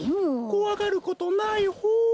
こわがることないホー。